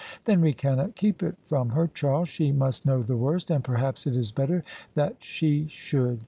"Then we cannot keep it from her, Charles: she must know the worst And perhaps it is better that she should.